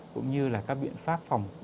cũng như là các biện pháp phòng chống